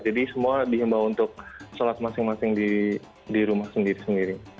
jadi semua dihimbau untuk sholat masing masing di rumah sendiri